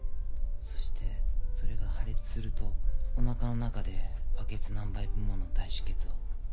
そしてそれが破裂するとおなかの中でバケツ何杯分もの大出血を。